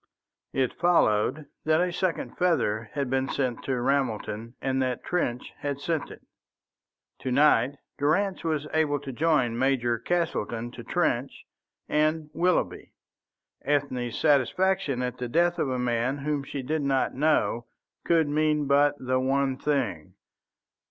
It followed that a second feather had been sent to Ramelton, and that Trench had sent it. To night Durrance was able to join Major Castleton to Trench and Willoughby. Ethne's satisfaction at the death of a man whom she did not know could mean but the one thing.